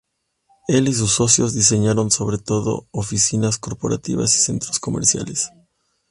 Él y sus socios diseñaron sobre todo oficinas corporativas y centros comerciales.